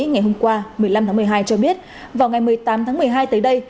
ngày hôm qua một mươi năm tháng một mươi hai cho biết vào ngày một mươi tám tháng một mươi hai tới đây